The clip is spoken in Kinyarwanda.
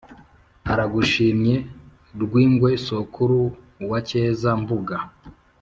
Aragushimye Rwingwe sokuru wa Cyeza-mbuga